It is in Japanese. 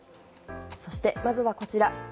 そして、まずはこちら。